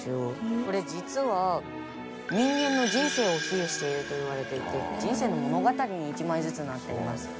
これ実は人間の人生を比喩しているといわれていて人生の物語に一枚ずつなっています。